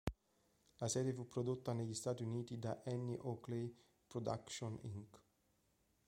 La serie fu prodotta negli Stati Uniti da Annie Oakley Productions Inc.